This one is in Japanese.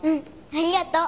ありがとう。